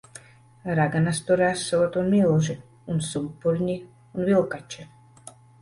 Raganas tur esot un milži. Un sumpurņi un vilkači.